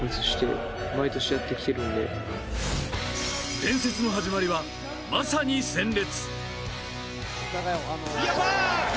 伝説の始まりは、まさに鮮烈。